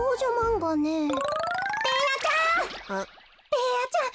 ベーヤちゃん